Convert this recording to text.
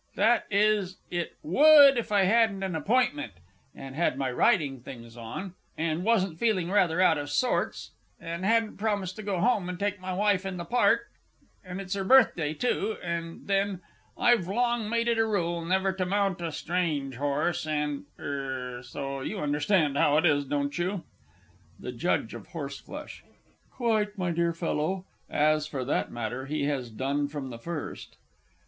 That is it would, if I hadn't an appointment, and had my riding things on, and wasn't feeling rather out of sorts, and hadn't promised to go home and take my wife in the Park, and it's her birthday, too, and, then, I've long made it a rule never to mount a strange horse, and er so you understand how it is don't you? THE J. OF H. Quite, my dear fellow. (_As, for that matter, he has done from the first.